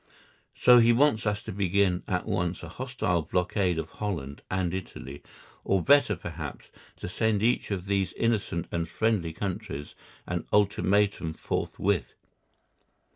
So he wants us to begin at once a hostile blockade of Holland and Italy, or better, perhaps, to send each of these innocent and friendly countries an ultimatum forthwith.